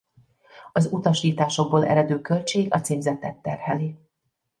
Az utasításokból eredő költség a címzettet terheli.